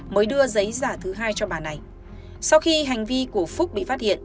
mới đưa giấy giả thứ hai cho bà này sau khi hành vi của phúc bị phát hiện